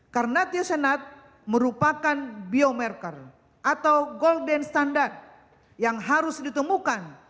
karena tiosenat merupakan biomarker atau golden standard yang harus ditemukan